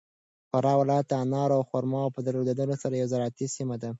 فراه ولایت د انارو او خرماوو په درلودلو سره یو زراعتي سیمه ده.